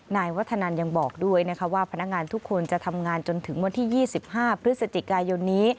นายวัฒนันยังบอกด้วยนะคะว่าพนักงานทุกคนจะทำงานจนถึงวันที่๒๕พฤศจิกายนนี้